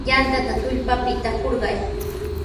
Yantata tullpapita hurqay.